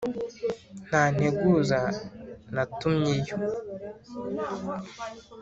Nta nteguza natumyeyo!